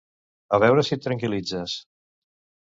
A veure si et tranquilitzes.